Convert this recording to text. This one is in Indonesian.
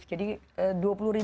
iya tapi mereka tidak aktif